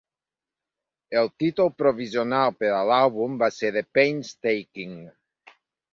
El títol provisional per a l'àlbum va ser "The Painstaking".